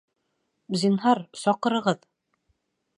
Зинһар, саҡырығыҙ..